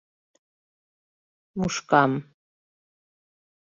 Мушкам.